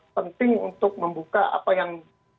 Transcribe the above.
penting untuk membuka apa yang